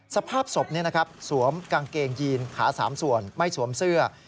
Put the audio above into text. สภาพศพสวมกางเกงยีนขา๓ส่วนไม่สวมเสื้อ